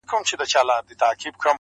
o ياد مي دي تا چي شنه سهار كي ويل.